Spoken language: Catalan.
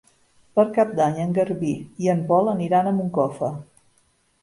Per Cap d'Any en Garbí i en Pol aniran a Moncofa.